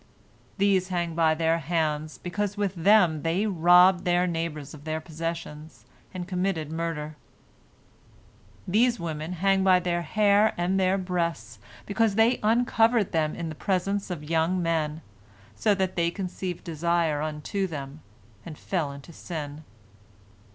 These hang by their hands, because with them they robbed their neighbors of their possessions, and committed murder. These women hang by their hair and their breasts, because they uncovered them in the presence of young men, so that they conceived desire unto them, and fell into sin."